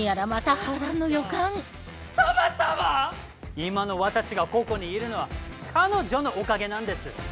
今の私がここにいるのは彼女のおかげなんです！